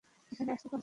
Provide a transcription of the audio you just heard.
এখানে আসতে পারব না?